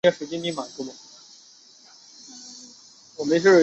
弗莱维。